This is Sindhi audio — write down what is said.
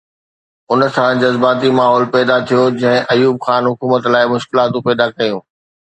ان سان جذباتي ماحول پيدا ٿيو، جنهن ايوب خان حڪومت لاءِ مشڪلاتون پيدا ڪيون.